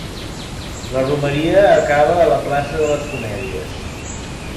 La Romeria acaba a la plaça de les Comèdies.